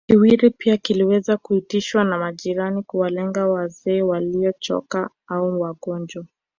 Kiwiri pia kiliweza kuitishwa na majirani kuwalenga wazee waliochoka au wagonjwa